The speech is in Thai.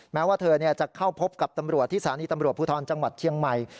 แม้ว่าเธอจะเข้าพบกับตำรวจที่สถานีตำรวจภูทรจังหวัดเชียงใหม่